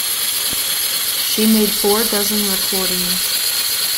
She made four dozen recordings.